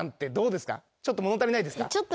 ちょっと物足りないですか？